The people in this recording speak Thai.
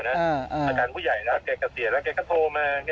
อาจารย์ผู้ใหญ่นะเขาก็เสียแล้วเขาก็โทรมานะคะ